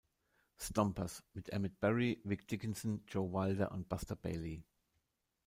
Stompers" mit Emmett Berry, Vic Dickenson, Joe Wilder und Buster Bailey.